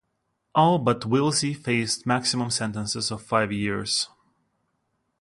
All but Willsey faced maximum sentences of five years.